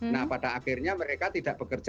nah pada akhirnya mereka tidak bekerja